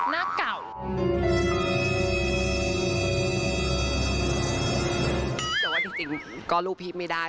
แต่ว่าจริงก็รูปพี่ไม่ได้